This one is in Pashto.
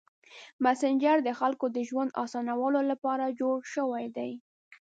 مسېنجر د خلکو د ژوند اسانولو لپاره جوړ شوی دی.